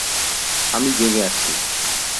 আমি জেগে আছি।